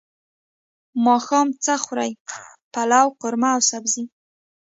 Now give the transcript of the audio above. ماښام څه خورئ؟ پلاو، قورمه او سبزی